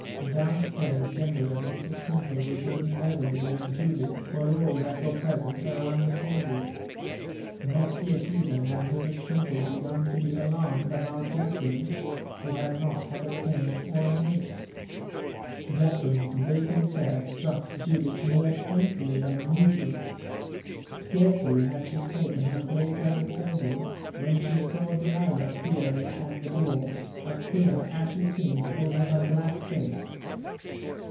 Down stairs, General and Mrs. Temple, with little Beverley and Judith, were all that were present around the table. Not yet even had Mrs. Temple begun to be alarmed about Jacqueline, who had not had a pain or an ache. Jacqueline's vacant chair struck Judith more painfully than usual. Scarcely had she taken her place at the table, when she saw Delilah peer in at the door, a queer, ashy tinge over her black face.